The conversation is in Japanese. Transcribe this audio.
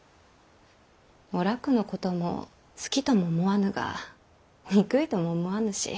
お楽のことも好きとも思わぬが憎いとも思わぬし。